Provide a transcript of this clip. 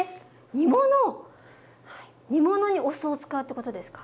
煮物⁉煮物にお酢を使うってことですか？